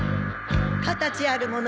形あるもの